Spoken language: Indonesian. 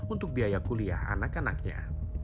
untuk biaya kuliah anak anaknya